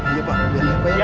iya pak biarin